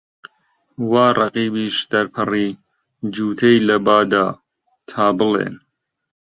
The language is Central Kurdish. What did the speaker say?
وا ڕەقیبیش دەرپەڕی، جووتەی لە با دا، تا بڵێن